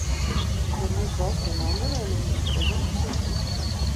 Bet vai mūsu valstī nav nevainības prezumpcijas?